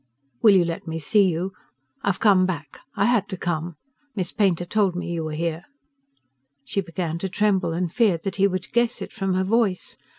"Will you let me see you? I've come back I had to come. Miss Painter told me you were here." She began to tremble, and feared that he would guess it from her voice.